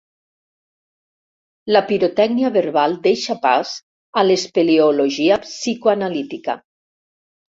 La pirotècnia verbal deixa pas a l'espeleologia psicoanalítica.